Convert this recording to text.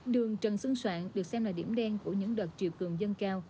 đường trần xuân soạn được xem là điểm đen của những đợt triều cương dân cao